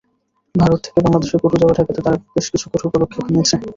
ভারত থেকে বাংলাদেশে গরু যাওয়া ঠেকাতে তারা বেশ কিছু কঠোর পদক্ষেপ নিয়েছে।